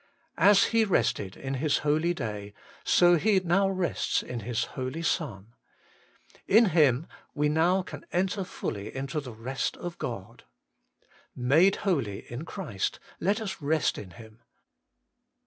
As He rested in His holy day, so He now rests in His Holy Son. In Him we now can enter fully into the rest of God. 'Made holy in Christ,' let us rest in Him.